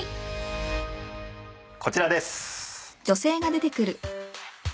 こちらです。